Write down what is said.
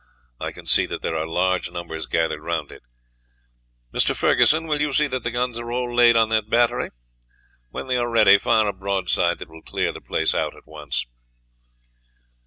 I can see that there are large numbers gathered round it. Mr. Ferguson, will you see that the guns are all laid on that battery? When they are ready, fire a broadside that will clear the place out at once."